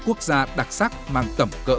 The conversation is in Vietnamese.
quốc gia đặc sắc mang tẩm cỡ